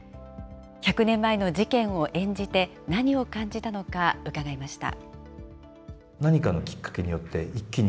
１００年前の事件を演じて、何を感じたのか、伺いました。